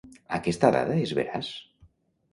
Aquesta dada és veraç?